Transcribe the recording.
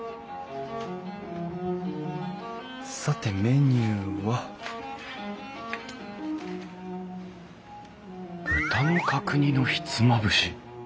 さてメニューは豚の角煮のひつまぶし。